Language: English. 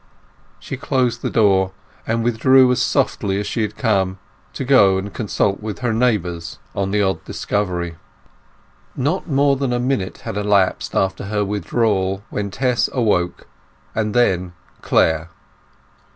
She closed the door, and withdrew as softly as she had come, to go and consult with her neighbours on the odd discovery. Not more than a minute had elapsed after her withdrawal when Tess woke, and then Clare.